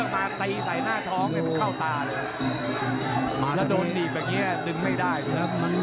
และโดนดีก่อนอย่างนี้ดึงไม่ได้